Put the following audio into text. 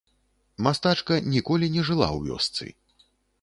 Мастачка ніколі не жыла ў вёсцы.